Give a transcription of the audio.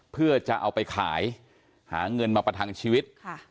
เพื่อจะเอาไปขายหาเงินมาประทังชีวิต